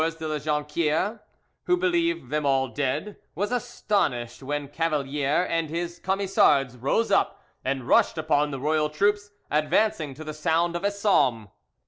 de La Jonquiere, who believed them all dead, was astonished when Cavalier and his Camisards rose up and rushed upon the royal troops, advancing to the sound of a psalm.